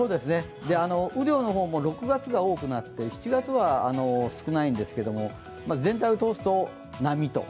雨量の方も６月が多くなって７月が少ないんですけど全体を通すと並みと。